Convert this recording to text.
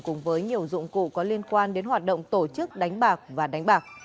cùng với nhiều dụng cụ có liên quan đến hoạt động tổ chức đánh bạc và đánh bạc